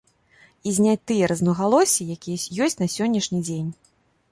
І зняць тыя рознагалоссі, якія ёсць на сённяшні дзень.